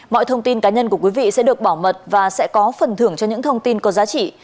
mọi thông tin cá nhân của quý vị sẽ được bảo mật và sẽ có phần thưởng cho những thông tin có giá trị